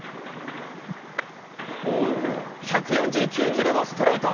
１４９キロのストレート。